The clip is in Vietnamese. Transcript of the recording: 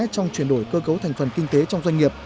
trong chuyển đổi cơ cấu thành phần kinh tế trong doanh nghiệp